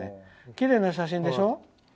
きれいな写真でしょ。